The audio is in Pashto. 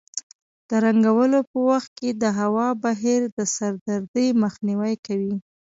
د رنګولو په وخت کې د هوا بهیر د سردردۍ مخنیوی کوي.